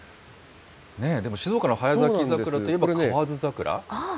ねえ、でも静岡の早咲き桜といえば河津桜？